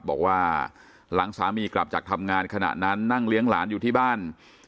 บอกว่าหลังสามีกลับจากทำงานขณะนั้นนั่งเลี้ยงหลานอยู่ที่บ้าน